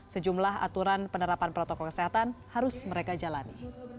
sejumlah aturan penerapan protokol kesehatan harus mereka jalani